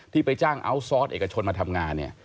ไปจ้างอัลซอสเอกชนมาทำงานเนี่ย